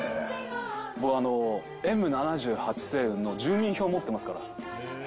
僕、Ｍ７８星雲の住民票持ってますから。